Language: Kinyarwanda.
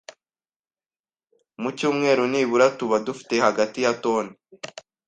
Mu cyumweru nibura tuba dufite hagati ya toni